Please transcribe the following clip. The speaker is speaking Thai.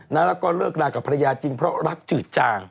แล้วก็เลิกลากับภรรยาจริงเพราะรักจืดจาง